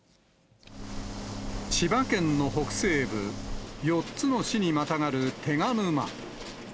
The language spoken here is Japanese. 千葉県の北西部、４つの市にまたがる手賀沼。